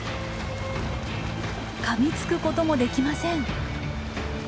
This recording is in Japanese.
かみつくこともできません。